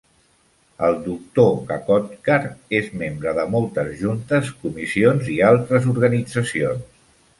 El doctor Kakodkar és membre de moltes juntes, comissions i altres organitzacions.